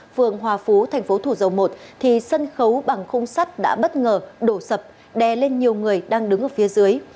phường hòa phú tp thủ dầu một thì sân khấu bằng khung sắt đã bất ngờ đổ sập đe lên nhiều người đang đứng ở phía dưới